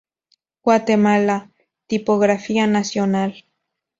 Guatemala: Tipografía Nacional